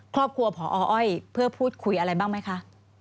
ครอบครัวพออ้อยเพื่อพูดคุยอะไรบ้างไหมคะ